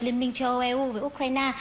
liên minh châu âu với ukraine